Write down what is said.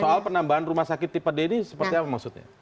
soal penambahan rumah sakit tipe d ini seperti apa maksudnya